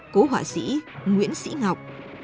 cố họa sĩ nguyễn sĩ ngọc